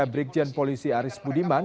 berikjen polisi aris budiman